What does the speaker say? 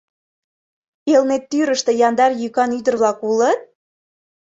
Элнеттӱрыштӧ яндар йӱкан ӱдыр-влак улыт?